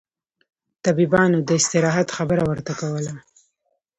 طبيبانو داستراحت خبره ورته کوله.